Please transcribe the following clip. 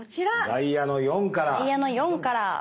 ダイヤの４から。